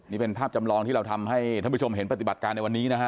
นี่เป็นภาพจำลองที่เราทำให้ท่านผู้ชมเห็นปฏิบัติการในวันนี้นะฮะ